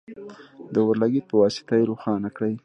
د اور لګیت په واسطه یې روښانه کړئ.